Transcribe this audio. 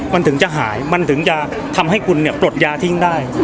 มันถึงจะหายมันถึงจะทำให้คุณเนี่ยปลดยาทิ้งได้